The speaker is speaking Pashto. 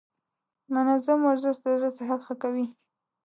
منظم ورزش د زړه صحت ښه کوي.